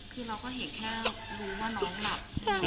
คือเราก็เห็นแค่รู้ว่าน้องแบบ